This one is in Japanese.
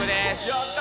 やった！